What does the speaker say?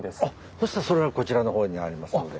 そしたらそれはこちらの方にありますので。